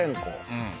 うん。